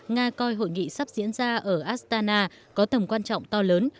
nga coi hội nghị sắp diễn ra ở astana có tầm quan trọng to lớn